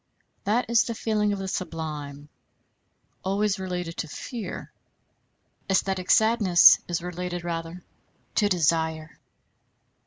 That is the feeling of the sublime, always related to fear. Æsthetic sadness is related rather to desire.